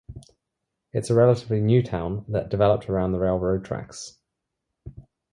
It is a relatively new town that developed around the railroad tracks.